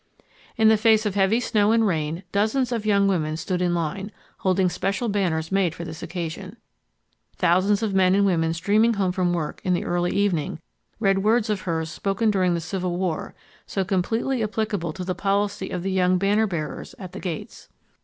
In the face of heavy snow and rain, dozens of young women stood in line, holding special banners made for this occasion. Thousands of men and women streaming home from work in the early evening read words of hers spoken during the Civil War, so completely applicable to the policy of the young banner bearers at the gates.